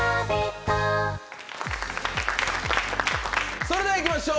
それではいきましょう。